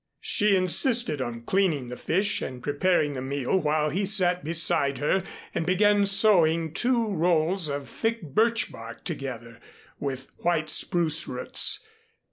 She insisted on cleaning the fish and preparing the meal while he sat beside her and began sewing two rolls of thick birch bark together with white spruce roots.